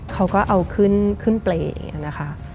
เขาก็เอาขึ้นเปรตเนี่ยนะคะ